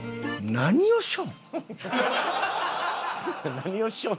「何をしよん？」